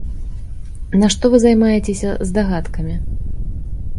Нашто вы займаецеся здагадкамі?